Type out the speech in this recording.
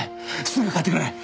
すぐ買ってくれ！